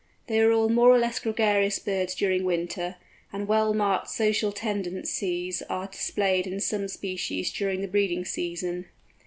They are all more or less gregarious birds during winter, and well marked social tendencies are displayed in some species during the breeding season.